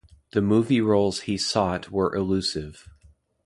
The movie roles he sought were elusive.